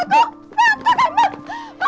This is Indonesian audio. ngaku sama ibu